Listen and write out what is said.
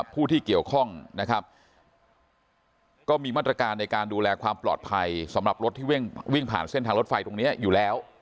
ผู้ที่เกี่ยวข้องนะครับก็มีมาตรการในการดูแลความปลอดภัยสำหรับรถที่วิ่งผ่านเส้นทางรถไฟตรงนี้อยู่แล้ว